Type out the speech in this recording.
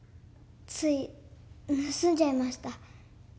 つい盗んじゃいました。